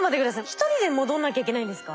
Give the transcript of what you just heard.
１人で戻んなきゃいけないんですか？